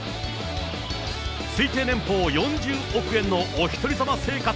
推定年俸４０億円のおひとり様生活。